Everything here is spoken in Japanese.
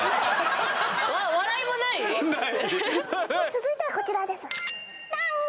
続いてはこちらですダン！